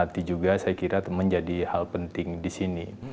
dan nanti juga saya kira menjadi hal penting di sini